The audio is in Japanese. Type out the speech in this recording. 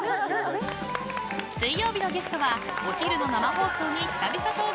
［水曜日のゲストはお昼の生放送に久々登場のこの方］